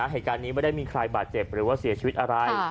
เหตุการณ์นี้ไม่ได้มีใครบาดเจ็บหรือว่าเสียชีวิตอะไร